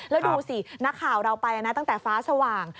แล้วดูสินักข่าวเราไปตั้งแต่ฟ้าสว่าง